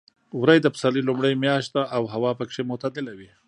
وری د پسرلي لومړۍ میاشت ده او هوا پکې معتدله وي.